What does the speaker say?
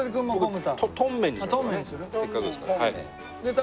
せっかくですから。